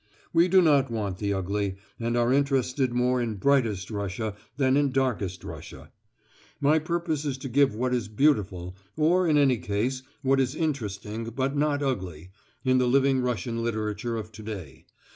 We do not want the ugly, and are interested more in brightest Russia than in darkest Russia. My purpose is to give what is beautiful, or in any case what is interesting but not ugly, in the living Russian literature of to day.